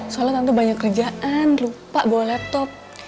soalnya tante banyak kerjaan lupa bawa laptop